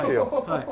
はい。